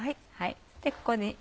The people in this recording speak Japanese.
ここに。